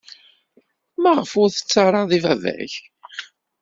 Maɣef ur as-tettarraḍ i baba-k?